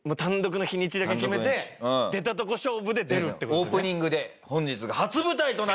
オープニングで。